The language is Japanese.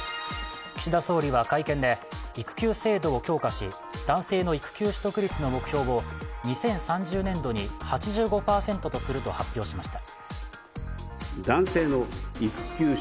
岸田総理は会見で育休制度を強化し男性の育休取得率の目標を２０３０年度に８５％とすると発表しました。